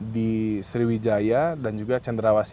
di sriwijaya dan juga cendrawasi